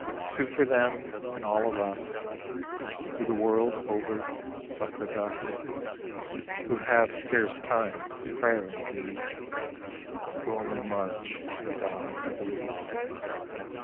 Sue for them and all of us Who the world over suffer thus, Who have scarce time for prayer indeed, Who only march and die and bleed.